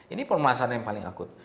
ini permasalahan yang paling akut